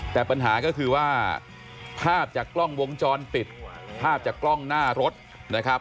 แต่ปัญหาก็คือว่าภาพจากกล้องวงจรปิดภาพจากกล้องหน้ารถนะครับ